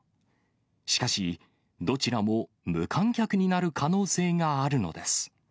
しかし、どちらも無観客になる可能性があるのです。